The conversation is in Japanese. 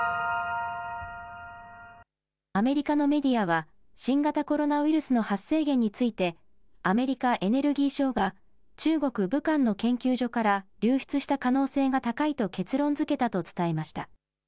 アメリカのメディアは、新型コロナウイルスの発生源について、アメリカ、エネルギー省が中国・武漢の研究所から流出した可能性が高いと結論づけたと伝えました。